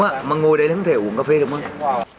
đúng ạ mà ngồi đây là không thể uống cà phê được không ạ